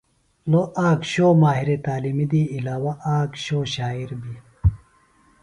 لوۡ آک شو ماہر تعلیم دی علاوہ آک شو شاعر بیۡ۔